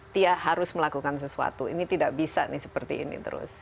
tia harus melakukan sesuatu ini tidak bisa nih seperti ini terus